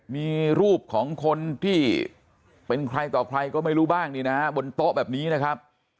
มีรูปของคนที่เป็นใครต่อใครก็ไม่รู้บ้างนี่นะฮะบนโต๊ะแบบนี้นะครับ